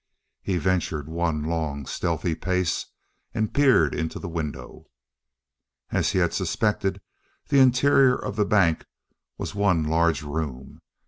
He ventured one long, stealthy pace, and peered into the window. As he had suspected, the interior of the bank was one large room.